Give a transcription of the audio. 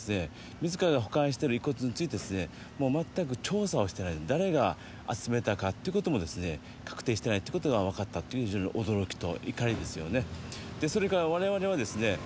自らが保管してる遺骨について全く調査をしてない誰が集めたかということも確定してないということが分かったっていう非常に驚きと怒りですよねでそれから我々はですね